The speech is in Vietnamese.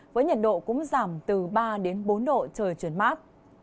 với nhiệt độ cũng giảm từ ba đến bốn độ trời chuyển mát